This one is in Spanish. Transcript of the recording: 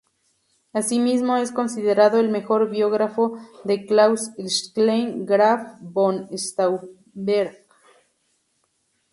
Así mismo es considerado el mejor biógrafo de Claus Schenk Graf von Stauffenberg.